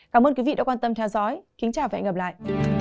cảm ơn các bạn đã theo dõi và hẹn gặp lại